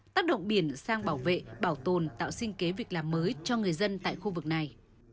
tác động biển sang bảo vệ bảo tồn tạo sinh kế việc làm mới cho người dân tại khu vực này